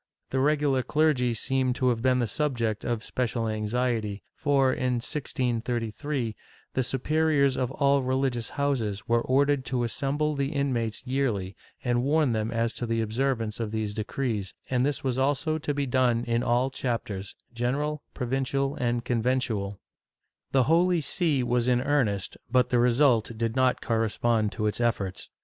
The regular clergy seem to have been the subject of special anxiety for, in 1633, the superiors of all religious houses w^ere ordered to assemble the inmates yearly and warn them as to the observance of these decrees, and this was also to be done in all chapters, general, provincial and conventual,^ The Holy See was in earnest, but the result did not correspond to its efforts.